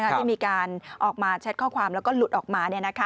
ที่มีการออกมาแชทข้อความแล้วก็หลุดออกมา